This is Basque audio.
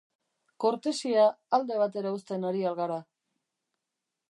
Kortesia alde batera uzten ari al gara?